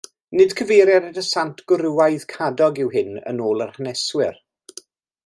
Nid cyfeiriad at y sant gwrywaidd Cadog yw hyn yn ôl yr haneswyr.